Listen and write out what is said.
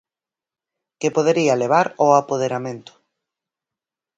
Que podería levar ao apoderamento.